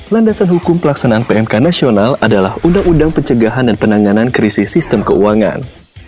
landasan hukum pelaksanaan pmk nasional adalah undang undang pencegahan dan penanganan krisis sistem keuangan